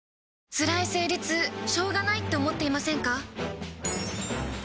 つらい生理痛しょうがないって思っていませんか？